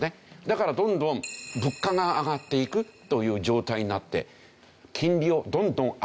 だからどんどん物価が上がっていくという状態になって。